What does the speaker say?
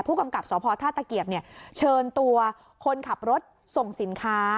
กำกับสพท่าตะเกียบเชิญตัวคนขับรถส่งสินค้า